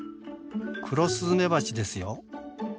クロスズメバチですよ。